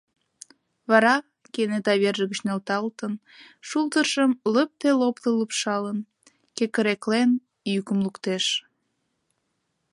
Вара, кенета верже гыч нӧлталтын, шулдыржым лыпте-лопто лупшалын, кекыреклен, йӱкым луктеш.